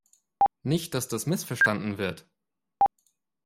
Nicht, dass das missverstanden wird!